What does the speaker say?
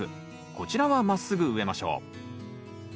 こちらはまっすぐ植えましょう。